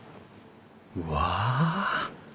うわ！